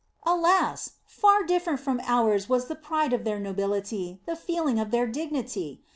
Alas! far different from ours was the pride of their nobility, the feeling of thtr dignity!